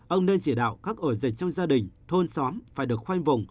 ông nên chỉ đạo các ổ dịch trong gia đình thôn xóm phải được khoanh vùng